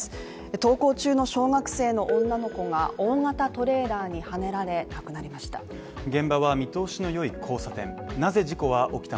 登校中の小学生の女の子が大型トレーラーにはねられ亡くなりました。